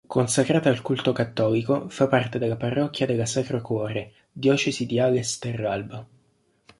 Consacrata al culto cattolico, fa parte della parrocchia della Sacro Cuore, diocesi di Ales-Terralba.